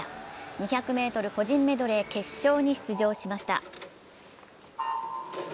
２００ｍ個人メドレー決勝に出場しました。